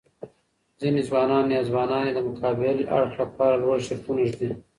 ځيني ځوانان يا ځواناني د مقابل اړخ لپاره لوړ شرطونه ږدي